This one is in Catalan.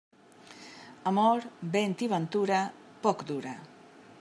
Amor, vent i ventura, poc dura.